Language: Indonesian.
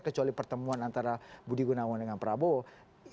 kecuali pertemuan antara budi gunawan dengan prabowo